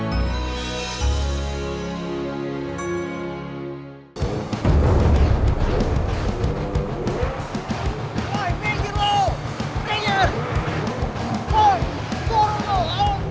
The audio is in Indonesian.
es balok tunggu